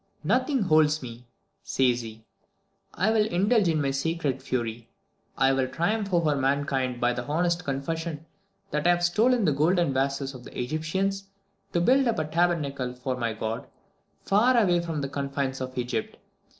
"Nothing holds me," says he; "I will indulge in my sacred fury; I will triumph over mankind by the honest confession, that I have stolen the golden vases of the Egyptians, to build up a tabernacle for my God, far away from the confines of Egypt.